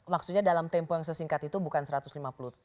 maksudnya dalam tempo yang sesingkat itu bukan satu ratus lima puluh ton